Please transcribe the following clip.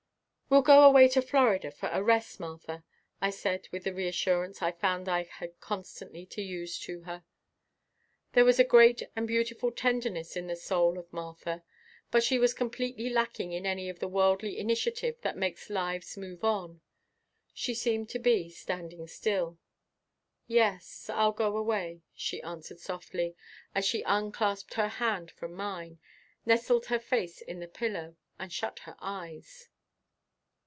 "We'll go away to Florida for a rest, Martha," I said, with the reassurance I found I had constantly to use to her. There was a great and beautiful tenderness in the soul of Martha, but she was completely lacking in any of the worldly initiative that makes lives move on. She seemed to be standing still. "Yes, I'll go away," she answered softly, as she unclasped her hand from mine, nestled her face in the pillow and shut her eyes.